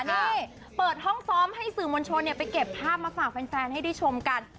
นี่เปิดห้องซ้อมให้สื่อมวลชนไปเก็บภาพมาฝากแฟนให้ได้ชมกัน